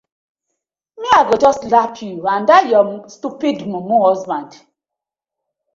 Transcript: Mi I go just slap yu and dat yur stupid mumu husband.